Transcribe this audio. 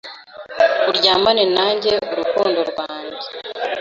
Uryamane nanjye urukundo rwanjye